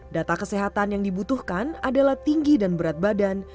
data kesehatan yang dibutuhkan adalah tinggi dan berat badan